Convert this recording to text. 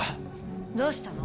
どうしたの？